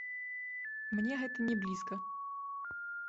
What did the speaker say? Мне гэта не блізка.